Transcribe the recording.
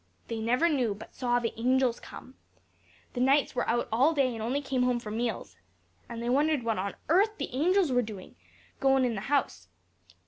'They never knew, but saw the angels come. The knights were out all day, and only came home for meals. And they wondered what on earth the angels were doin', goin' in the house.